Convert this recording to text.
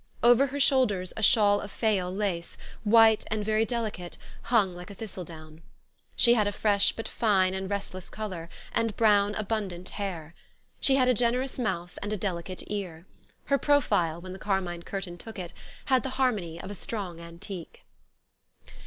Over her shoulders a shawl of Fayal lace, white, and very delicate, hung like a thistle down. She had a fresh but fine and restless color, and brown, abundant hair. She had a gener ous mouth and a delicate ear. Her profile, when the carmine curtain took it, had the harmony of a strong antique.